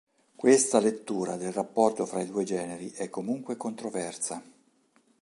Questa lettura del rapporto fra i due generi è comunque controversa.